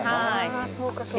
ああそうかそうか。